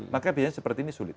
maka biasanya seperti ini sulit